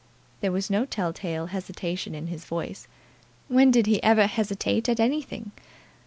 There was no tell tale hesitation in his voice. When did he ever hesitate at anything?